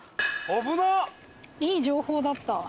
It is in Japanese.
いい情報だったわ。